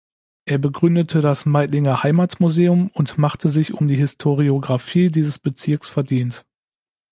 Er begründete das Meidlinger Heimatmuseum und machte sich um die Historiographie dieses Bezirkes verdient.